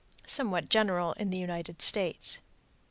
_Somewhat general in the United States.